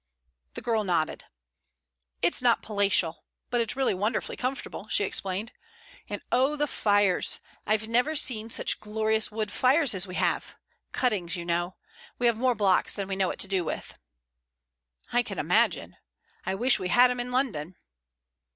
The girl nodded. "It's not palatial, but it's really wonderfully comfortable," she explained, "and oh, the fires! I've never seen such glorious wood fires as we have. Cuttings, you know. We have more blocks than we know what to do with." "I can imagine. I wish we had 'em in London."